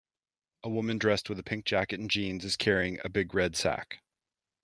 A woman dressed with a pink jacket and jeans is carrying a big red sack.